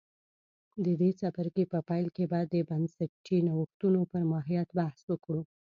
د دې څپرکي په پیل کې به د بنسټي نوښتونو پر ماهیت بحث وکړو